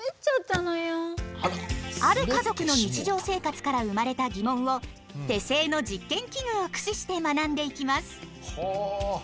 ある家族の日常生活から生まれた疑問を手製の実験器具を駆使して学んでいきます。